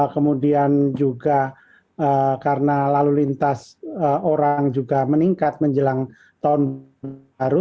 kemudian juga karena lalu lintas orang juga meningkat menjelang tahun baru